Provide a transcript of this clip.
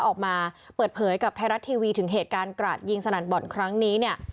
ออกมาเปิดเผยกับไทยรัฐทีวีถึงเหตุการณ์กราดยิงสนั่นบ่อนครั้งนี้เนี่ย